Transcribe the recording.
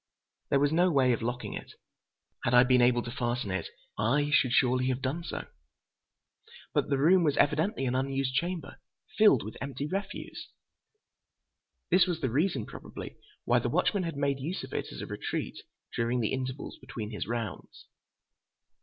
There was no way of locking it. Had I been able to fasten it, I should surely have done so; but the room was evidently an unused chamber, filled with empty refuse. This was the reason, probably, why the watchman had made use of it as a retreat during the intervals between his rounds.